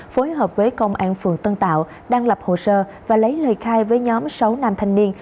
phối hợp với công an phường tân tạo đang lập hồ sơ và lấy lời khai với nhóm sáu nam thanh niên